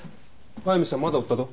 速見さんまだおったと？